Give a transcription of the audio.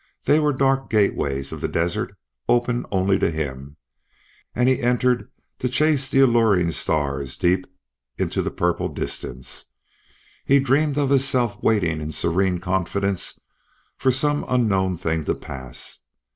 They were dark gateways of the desert open only to him, and he entered to chase the alluring stars deep into the purple distance. He dreamed of himself waiting in serene confidence for some unknown thing to pass.